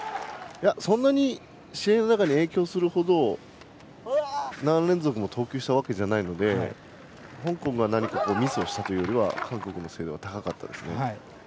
そんなに試合の中に影響するほど何連続も投球したわけではないので香港がミスをしたというよりは韓国の精度が高かったです。